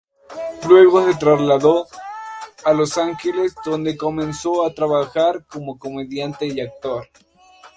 Luego, se trasladó a Los Ángeles, donde comenzó a trabajar como comediante y actor.